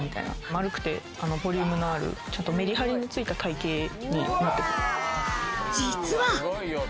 丸くてボリュームのあるメリハリのついた体型になってくる。